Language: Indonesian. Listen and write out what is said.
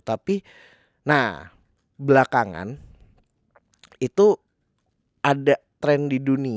tapi nah belakangan itu ada tren di dunia